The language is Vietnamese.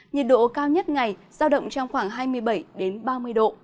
nhiệt độ cao nhất ngày giao động trong khoảng hai mươi bảy ba mươi độ